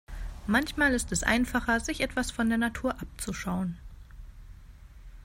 Manchmal ist es einfacher, sich etwas von der Natur abzuschauen.